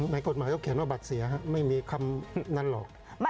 ในกฎหมายเขาเขียนว่าบัตรเสียไม่มีคำนั้นหรอก